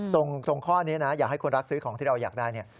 ตรงข้อนี้นะอยากให้คนรักซื้อของที่เราอยากได้เนี่ย